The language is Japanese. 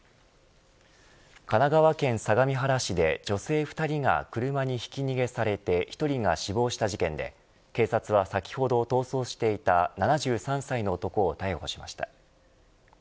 神奈川県相模原市で女性２人が車にひき逃げされて１人が死亡した事件で警察は先ほど逃走していた７３歳の男を逮捕しました。